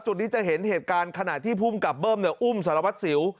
จุดนี้จะเห็นเหตุการณ์ขณะที่ภูมิกับเบิ้มอุ้มสารวัตรสิว